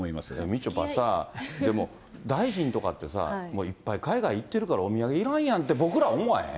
みちょぱさ、でも大臣とかってさ、いっぱい海外行ってるから、お土産いらんやんって僕ら思わへん？